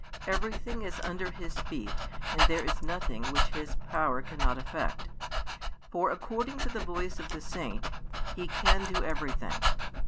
Everything is under His feet and there is nothing which His power cannot effect. For, according to the voice of the saint, He can do everything.